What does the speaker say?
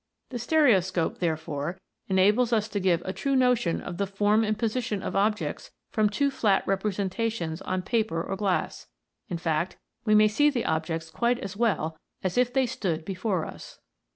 The stereoscope, therefore, enables us to give a true notion of the form and position of objects from two flat represen tations on paper or glass ; in fact, we may see the objects quite as well as if they stood before us.